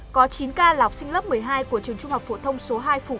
có chín ca lọc sinh lớp một mươi hai của trường trung học phổ thông số hai